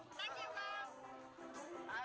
terima kasih bang